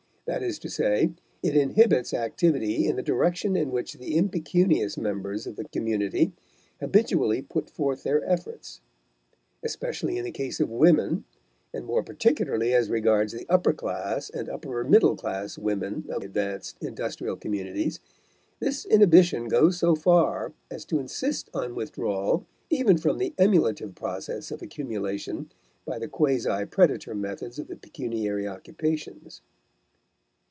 That is to say, it inhibits activity in the directions in which the impecunious members of the community habitually put forth their efforts. Especially in the case of women, and more particularly as regards the upper class and upper middle class women of advanced industrial communities, this inhibition goes so far as to insist on withdrawal even from the emulative process of accumulation by the quasi predator methods of the pecuniary occupations.